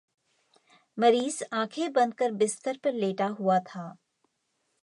मरीज़ आँखें बंद कर बिस्टर पर लेटा हुआ था।